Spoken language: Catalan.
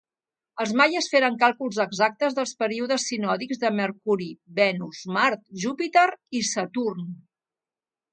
Els maies feren càlculs exactes dels períodes sinòdics de Mercuri, Venus, Mart, Júpiter i Saturn.